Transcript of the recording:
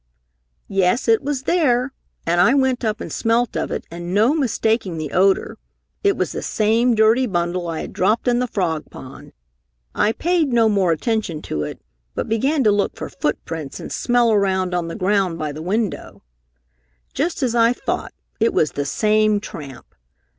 "Yes, it was there, and I went up and smelt of it and no mistaking the odor, it was the same dirty bundle I had dropped in the frog pond! I paid no more attention to it, but began to look for footprints and smell around on the ground by the window. Just as I thought, it was the same tramp!